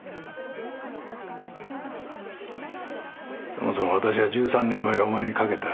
そもそも私は１３年前お前にかけた。